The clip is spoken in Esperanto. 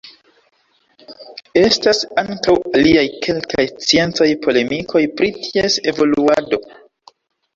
Estas ankaŭ aliaj kelkaj sciencaj polemikoj pri ties evoluado.